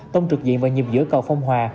tông trực diện vào nhịp giữa cầu phong hòa